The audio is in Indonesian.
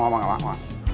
mak mak mak mak